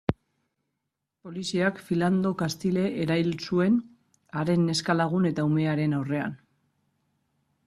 Poliziak Philando Castile erail zuen, haren neska-lagun eta umearen aurrean.